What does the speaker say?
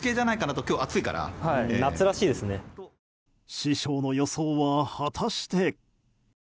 師匠の予想は果たして。